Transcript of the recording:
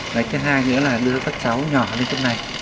đấy cái hai nữa là đưa các cháu nhỏ lên trước này